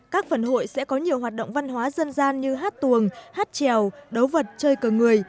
các phần hội sẽ có nhiều hoạt động văn hóa dân gian như hát tuồng hát trèo đấu vật chơi cờ người